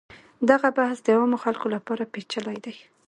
دغه بحث د عامو خلکو لپاره پیچلی دی.